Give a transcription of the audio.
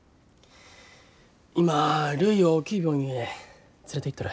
今るいを大きい病院へ連れていっとる。